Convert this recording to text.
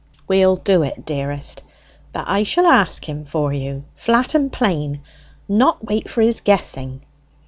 "We'll do it, dearest. But I shall ask him for you, flat and plain; not wait for his guessing."